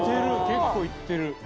結構いってる。